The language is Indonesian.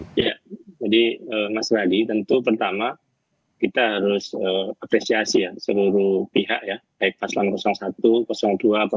jadi mas radi tentu pertama kita harus apresiasi ya seluruh pihak ya